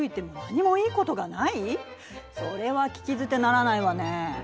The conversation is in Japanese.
それは聞き捨てならないわね。